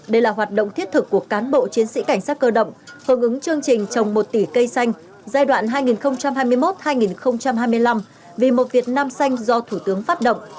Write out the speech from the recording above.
đây là hoạt động thiết thực của cán bộ chiến sĩ cảnh sát cơ động hướng ứng chương trình trồng một tỷ cây xanh giai đoạn hai nghìn hai mươi một hai nghìn hai mươi năm vì một việt nam xanh do thủ tướng phát động